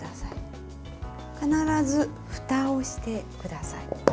必ずふたをしてください。